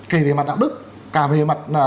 kể về mặt đạo đức cả về mặt